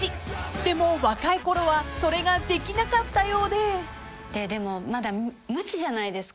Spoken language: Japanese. ［でも若いころはそれができなかったようで］まだ無知じゃないですか。